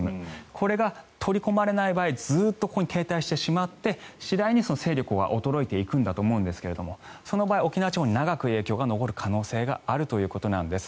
これが取り込まれない場合ずっとここに停滞してしまって次第に勢力は衰えていくだと思うんですがその場合、沖縄地方に長く影響が残る可能性があるということです。